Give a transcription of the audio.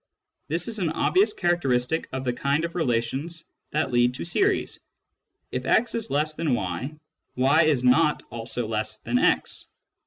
This is an obvious characteristic of the kind of relations that lead to series. If x is less than y, y is not also less than x.